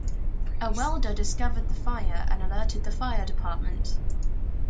A welder discovered the fire, and alerted the fire department.